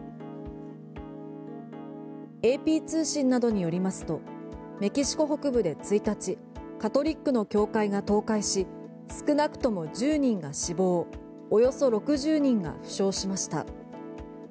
ＡＰ通信などによりますとメキシコ北部で１日カトリックの教会が倒壊し少なくとも１０人が死亡およそ６０人が負傷しました。